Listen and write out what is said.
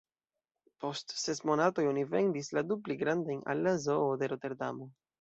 Post ses monatoj, oni vendis la du pli grandajn al la Zoo de Roterdamo.